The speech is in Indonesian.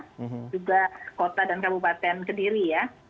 juga kota dan kabupaten kediri ya